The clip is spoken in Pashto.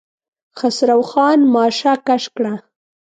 خسرو خان ماشه کش کړه.